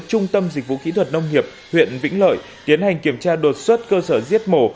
trung tâm dịch vụ kỹ thuật nông nghiệp huyện vĩnh lợi tiến hành kiểm tra đột xuất cơ sở giết mổ